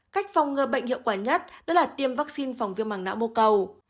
cách phòng ngừa bệnh hiệu quả nhất đó là tiêm vaccine phòng viêm mảng nã mô cầu